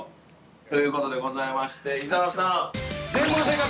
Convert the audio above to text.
◆ということでございまして伊沢さん、全問正解。